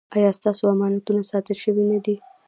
ایا ستاسو امانتونه ساتل شوي نه دي؟